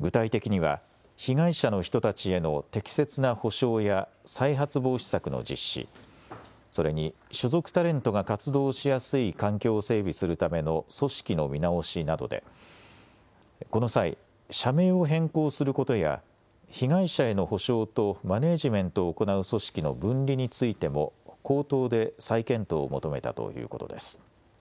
具体的には被害者の人たちへの適切な補償や再発防止策の実施、それに所属タレントが活動しやすい環境を整備するための組織の見直しなどでこの際、社名を変更することや被害者への補償とマネージメントを行う組織の分離についても口頭で再検討を求めたということです。